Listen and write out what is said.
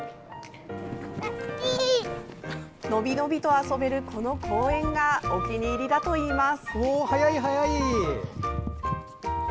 のびのびと遊べる、この公園がお気に入りだといいます。